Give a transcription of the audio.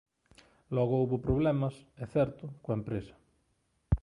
Logo houbo problemas, é certo, coa empresa.